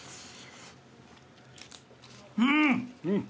うん！